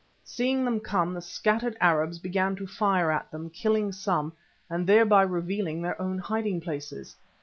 Seeing them come the scattered Arabs began to fire at them, killing some, but thereby revealing their own hiding places.